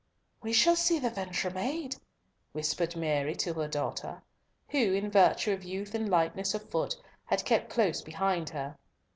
"We shall see the venture made," whispered Mary to her daughter, who, in virtue of youth and lightness of foot, had kept close behind her.